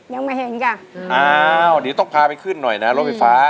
ยังไม่เห็นจ้ะอ้าวเดี๋ยวต้องพาไปขึ้นหน่อยนะรถไฟฟ้า